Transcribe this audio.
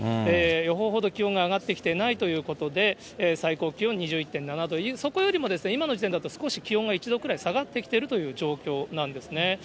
予報ほど気温が上がってきていないということで、最高気温２１．７度、そこよりも今の時点だと少し気温が１度くらい下がってきているという状況なんですね。